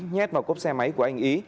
nhét vào cốp xe máy của anh ý